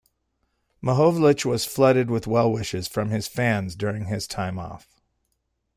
Mahovlich was flooded with well-wishes from fans during his time off.